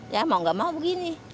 ya mau gak mau begini